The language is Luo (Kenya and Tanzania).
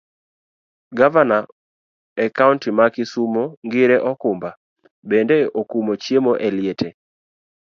Gavana e kaunti ma kisumu ngire Okumba bende okumo chiemo e liete.